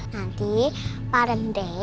nanti parent day